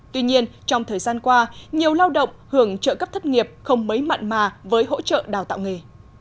tuy nhiên trong thời gian qua nhiều lao động hưởng trợ cấp thất nghiệp không mấy mạn mà với hỗ trợ đào tạo nghề